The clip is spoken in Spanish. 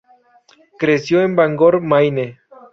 Creció en Bangor, Maine.